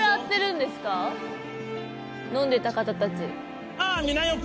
飲んでた方たち。